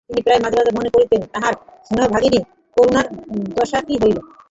তিনি প্রায়ই মাঝে মাঝে মনে করিতেন, তাঁহার স্নেহভাগিনী করুণার দশা কী হইল!